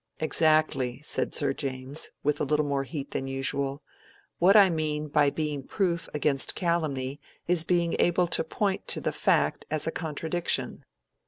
"Exactly," said Sir James, with a little more heat than usual. "What I mean by being proof against calumny is being able to point to the fact as a contradiction."